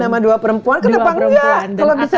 sama dua perempuan kenapa nggak kalau bisa